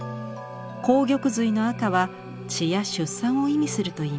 紅玉髄の赤は血や出産を意味するといいます。